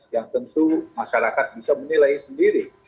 yang tentu masyarakat bisa menilai sendiri